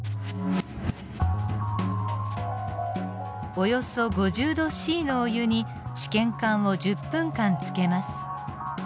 およそ５０℃のお湯に試験管を１０分間つけます。